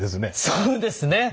そうですね。